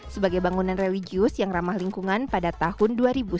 sebagai bangunan religius yang ramah lingkungan pada tahun dua ribu sembilan belas